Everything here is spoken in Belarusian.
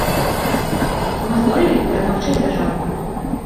Мы здолелі перамагчы дзяржаву.